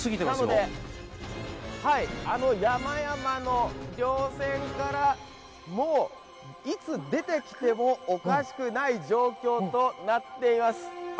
なので、山々のりょう線から、もういつ出てきてもおかしくない状況となっています。